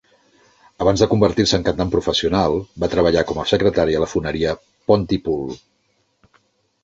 Abans de convertir-se en cantant professional, va treballar com a secretària a la foneria Pontypool.